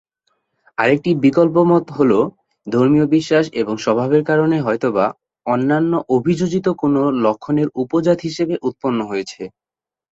আরেকটি বিকল্প মত হলোঃ ধর্মীয় বিশ্বাস এবং স্বভাবের কারণ হয়তোবা অন্যান্য অভিযোজিত কোনো লক্ষণের উপজাত হিসেবে উৎপন্ন হয়েছে।